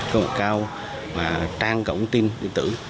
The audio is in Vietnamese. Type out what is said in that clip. cơ hội cao và trang góng tin điện tử